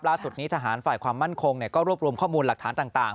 ล่าสุดนี้ทหารฝ่ายความมั่นคงก็รวบรวมข้อมูลหลักฐานต่าง